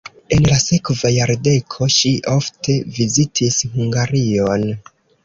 En la sekva jardeko ŝi ofte vizitis Hungarion.